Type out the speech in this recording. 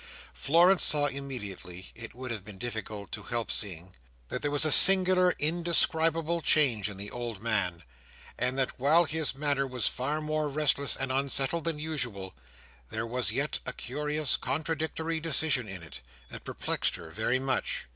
Florence saw immediately—it would have been difficult to help seeing—that there was a singular, indescribable change in the old man, and that while his manner was far more restless and unsettled than usual, there was yet a curious, contradictory decision in it, that perplexed her very much.